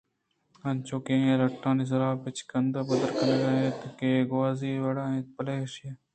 انچو آئی لنٹانی سر ے بچکند پدّر کنگ ءَ اَت کہ اے گوٛازی ءِ وڑا اَنت بلئے ایشی ءِ سرجم کنگ ءِ ڈُبہ آئی ءِ کوپگانی سرااِنت